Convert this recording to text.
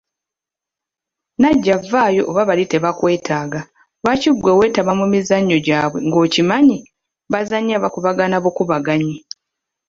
Najja vvaayo oba bali tebakwetaaga, lwaki ggwe weetaba mu mizannyo gyabwe ng'okimanyi bazannya bakubagana bukubaganyi.